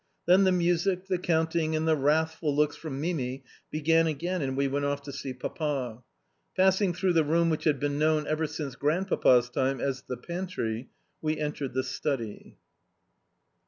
Then the music, the counting, and the wrathful looks from Mimi began again, and we went off to see Papa. Passing through the room which had been known ever since Grandpapa's time as "the pantry," we entered the study.